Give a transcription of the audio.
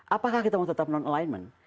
apakah kita mau tetap non alignment